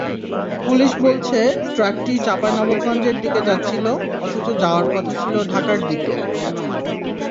Police বলছে, ট্রাকটি চাঁপাইনবাবগঞ্জের দিকে যাচ্ছিল, অথচ যাওয়ার কথা ছিল ঢাকার দিকে।